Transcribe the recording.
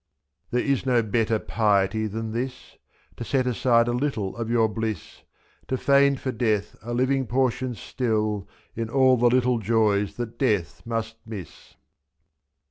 100 There is no better piety than this: To set aside a little of your bliss, Zfc»''To feign for death a living portion still In all the little joys that death must miss.